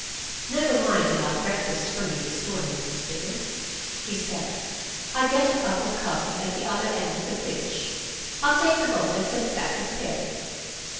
"Never mind about breakfast for me this morning, Mrs. Pitman," he said. "I'll get a cup of coffee at the other end of the bridge. I'll take the boat and send it back with Terry."